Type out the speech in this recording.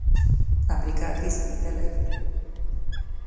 امریکا کې زېږېدلی.